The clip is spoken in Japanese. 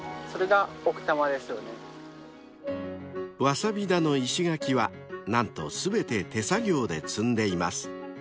［わさび田の石垣は何と全て手作業で積んでいます］